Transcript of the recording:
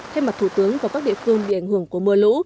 thay mặt thủ tướng và các địa phương bị ảnh hưởng của mưa lũ